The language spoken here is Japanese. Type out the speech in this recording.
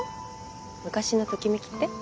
「昔のときめき」って？